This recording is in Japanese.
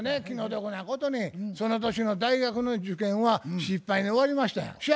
気の毒なことにその年の大学の受験は失敗に終わりましたんや。